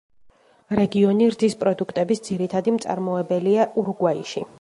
რეგიონი რძის პროდუქტების ძირითადი მწარმოებელია ურუგვაიში.